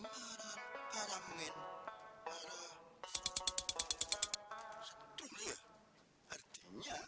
jadi mau jual sapi